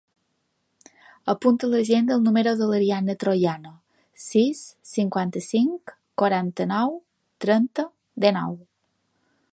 Apunta a l'agenda el número de l'Ariadna Troyano: sis, cinquanta-cinc, quaranta-nou, trenta, dinou.